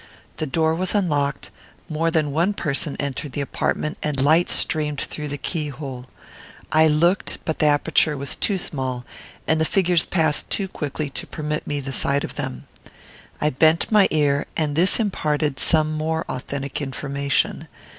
The door was unlocked, more than one person entered the apartment, and light streamed through the keyhole. I looked; but the aperture was too small and the figures passed too quickly to permit me the sight of them. I bent my ear, and this imparted some more authentic information.